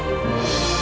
aku akan menerima